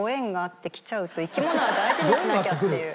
生き物は大事にしなきゃっていう。